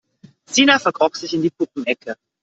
Sina verkroch sich in die Puppenecke.